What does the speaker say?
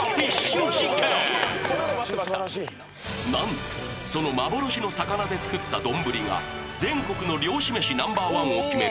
なんとその幻の魚で作った丼が全国の漁師めしＮｏ．１を決める